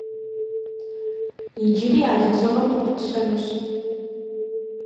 Иджыри а лэжьыгъэм къыпытщэнущ.